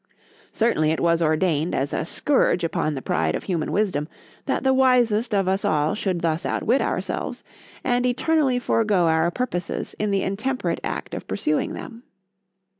—— ——Certainly it was ordained as a scourge upon the pride of human wisdom, That the wisest of us all should thus outwit ourselves, and eternally forego our purposes in the intemperate act of pursuing them.